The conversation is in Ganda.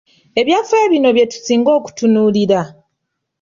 Ebyafaaayo bino bye tusinga okutunuulira.